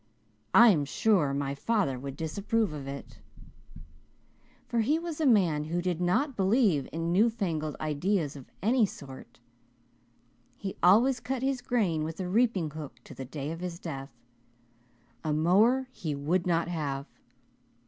I am sure my father would disapprove of it, for he was a man who did not believe in new fangled ideas of any sort. He always cut his grain with a reaping hook to the day of his death. A mower he would not have.